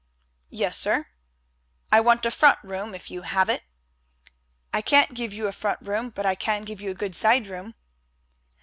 "Yes, sir." "I want a front room if you have it." "I can't give you a front room, but I can give you a good side room."